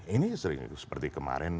ini sering seperti kemarin